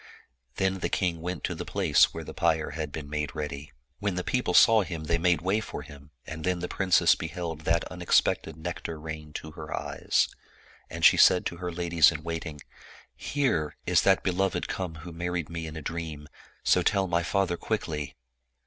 Then the king went to the place where the pyre had been made ready. When the people saw him, they made way for him, and then the princess beheld that unexpected nectar rain to her eyes. And she said to her ladies in waiting, " Here is that beloved come who married me in a dream, so tell my father quickly."